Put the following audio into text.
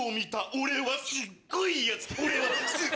俺はすっごいやつ。